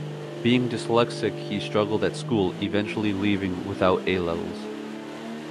Being dyslexic, he struggled at school, eventually leaving without A-levels.